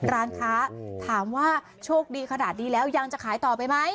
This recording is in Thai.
ร้านค้าถามว่าโชคดีขนาดนี้แล้วยังจะขายต่อไปไหม